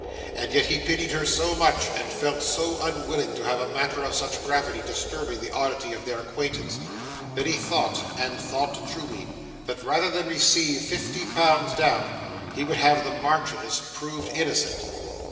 And yet he pitied her so much, and felt so unwilling to have a matter of such gravity disturbing the oddity of their acquaintance, that he thought, and thought truly, that rather than receive fifty pounds down, he would have the Marchioness proved innocent.